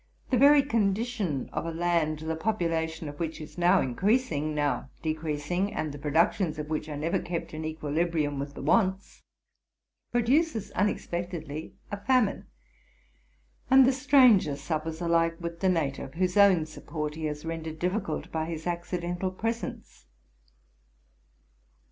The very condition of a land, the population of which is now increasing, now decreasing, and the productions of which are never kept in equilibrium with the wants, produces unexpectedly a famine ; and the stranger suffers alike with the native, whose own support he has rendered difficult by his accidental presence.